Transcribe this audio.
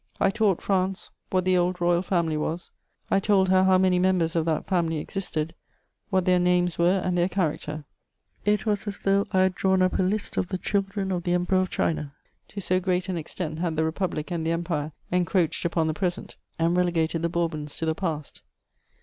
I taught France what the old Royal Family was; I told her how many members of that Family existed, what their names were, and their character: it was as though I had drawn up a fist of the children of the Emperor of China, to so great an extent had the Republic and the Empire encroached upon the present and relegated the Bourbons to the past.